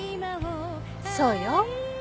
そうよ。